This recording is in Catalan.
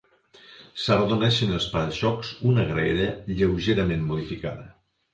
S'arrodoneixen els para-xocs, una graella lleugerament modificada.